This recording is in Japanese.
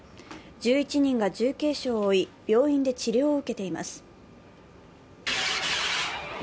１１人が重軽傷を負い、病院で治療を受けています。